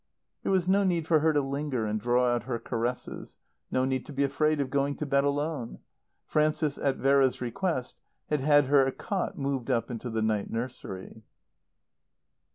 There was no need for her to linger and draw out her caresses, no need to be afraid of going to bed alone. Frances, at Vera's request, had had her cot moved up into the night nursery.